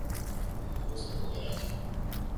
Πώς θα το περάσουν;